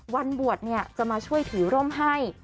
วันบวชจะมาช่วยถือร่มให้